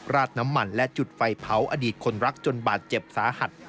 ราดน้ำมันและจุดไฟเผาอดีตคนรักจนบาดเจ็บสาหัส